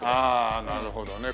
ああなるほどね。